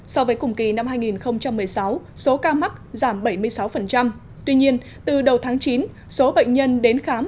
so với cùng kỳ năm hai nghìn một mươi sáu số ca mắc giảm bảy mươi sáu tuy nhiên từ đầu tháng chín số bệnh nhân đến khám